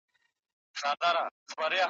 چي ویل به مي سبا درڅخه ځمه ..